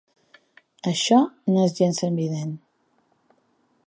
Això no és gens evident.